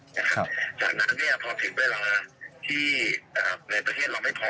จากนั้นเนี่ยพอถึงเวลาที่ในประเทศเราไม่พอ